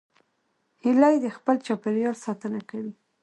هیلۍ د خپل چاپېریال ساتنه کوي